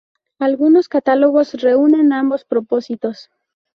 Algunos catálogos reúnen ambos propósitos.